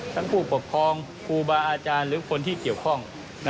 ผู้ปกครองครูบาอาจารย์หรือคนที่เกี่ยวข้อง